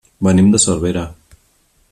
Venim de Cervera.